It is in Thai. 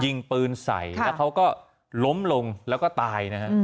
ยิงปืนใส่แล้วเขาก็ล้มลงแล้วก็ตายนะฮะ